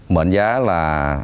mệnh giá là năm trăm linh